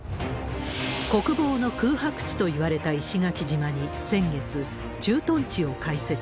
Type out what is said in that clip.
国防の空白地といわれた石垣島に、先月、駐屯地を開設。